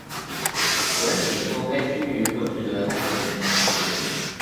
有人指出该区域不值得单独命名。